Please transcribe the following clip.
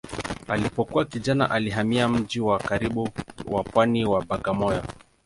Alipokuwa kijana alihamia mji wa karibu wa pwani wa Bagamoyo.